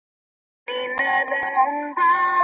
راځئ وګورو، چي خلک څه وایي او څه یې لیدلي دي! د دې